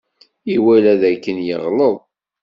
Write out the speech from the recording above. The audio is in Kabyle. Iwala dakken yeɣleḍ.